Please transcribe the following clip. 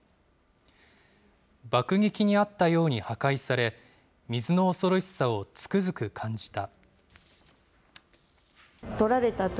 爆撃にあったように破壊され、水の恐ろしさをつくづく感じた。